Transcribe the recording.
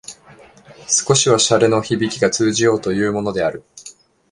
少しは洒落のひびきが通じようというものである